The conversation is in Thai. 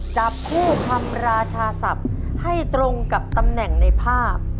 จับคู่คำราชาศัพท์ให้ตรงกับตำแหน่งในภาพ